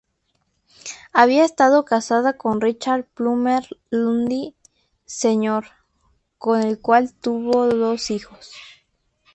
Había estado casada con Richard Plummer Lundy Sr., con el cual tuvo dos hijos.